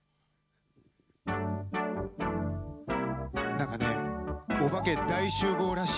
何かねおばけ大集合らしいよ。